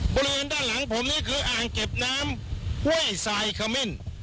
บริเวณด้านหลังผมนี่คืออ่างเก็บน้ำห้วยสายเขม่น